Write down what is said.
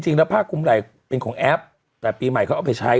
ผ้าคุ้มไหล่เป็นของแอปแต่ปีใหม่เขาเอาไปใช้